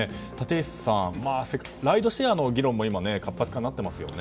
立石さん、ライドシェア議論も活発的になっていますよね。